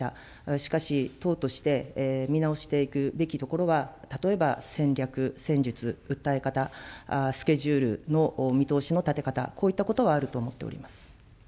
しかし、党として見直していくべきところは例えば戦略、戦術、訴え方、スケジュールの見通しの立て方、こういったことはあると思います。